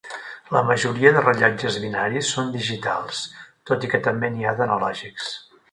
La majoria de rellotges binaris són digitals, tot i que també n'hi ha d'analògics.